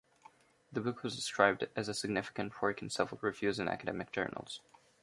The book was described as a significant work in several reviews in academic journals.